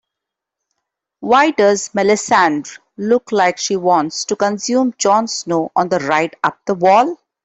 Why does Melissandre look like she wants to consume Jon Snow on the ride up the wall?